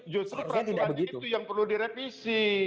justru peraturan itu yang perlu direvisi